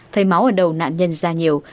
thấy máu ở đầu nạn nhân ra nhiều